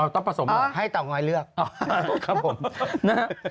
อ๋อต้องผสมอ๋อให้เต๋อง้อยเลือกอ๋อครับผมนะฮะ